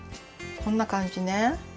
こんなかんじね。